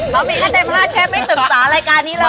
เขามีให้เต็ม๕เชฟไม่ศึกษารายการนี้เลย